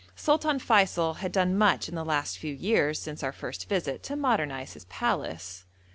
Sultan Feysul had done much in the last few years, since our first visit, to modernise his palace.